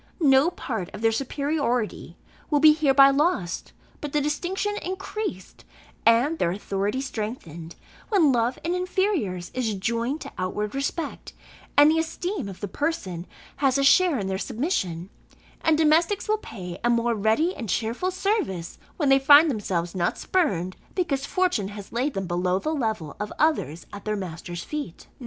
No part of their superiority will be hereby lost, but the distinction increased, and their authority strengthened, when love in inferiors is joined to outward respect, and the esteem of the person has a share in their submission: and domestics will pay a more ready and cheerful service, when they find themselves not spurned, because fortune has laid them below the level of others at their master's feet."